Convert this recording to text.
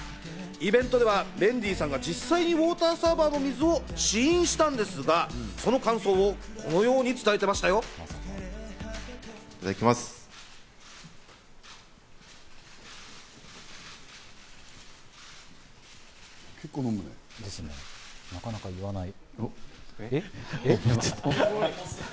イベントではメンディーさんが実際にウォーターサーバーの水を試飲したんですがその感想をこん結構飲むんですね、なかなか言わない。